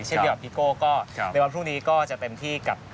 เช่นเดียวกับพี่โก้ก็ในวันพรุ่งนี้ก็จะเต็มที่กับ